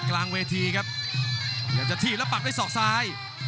ขวางเอาไว้ครับโอ้ยเด้งเตียวคืนครับฝันด้วยศอกซ้าย